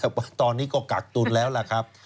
แต่ว่าตอนนี้ก็กักตุนแล้วล่ะครับ